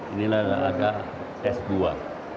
ini agak tes buah